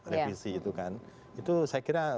revisi itu kan itu saya kira